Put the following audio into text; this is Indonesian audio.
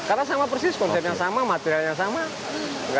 karena sama persis konsepnya sama materialnya sama